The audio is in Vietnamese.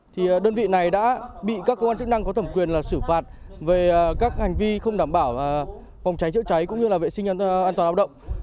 thì đơn vị này đã bị các công an chức năng có thẩm quyền là xử phạt về các hành vi không đảm bảo phòng cháy chữa cháy cũng như là vệ sinh an toàn áp động